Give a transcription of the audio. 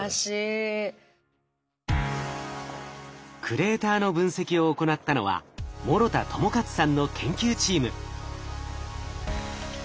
クレーターの分析を行ったのは諸田智克さんの研究チーム。